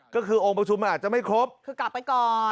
ก็คือองค์ประชุมมันอาจจะไม่ครบคือกลับไปก่อน